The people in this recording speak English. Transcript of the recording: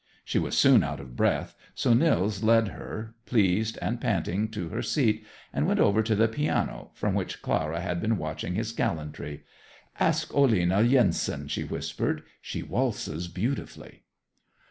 She was soon out of breath, so Nils led her, pleased and panting, to her seat, and went over to the piano, from which Clara had been watching his gallantry. "Ask Olena Yenson," she whispered. "She waltzes beautifully."